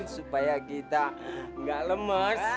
supaya kita gak lemes